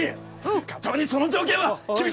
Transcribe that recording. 課長にその条件は厳しい！